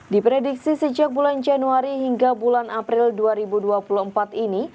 diprediksi sejak bulan januari hingga bulan april dua ribu dua puluh empat ini